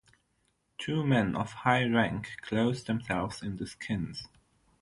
Two men of high rank clothed themselves in the skins.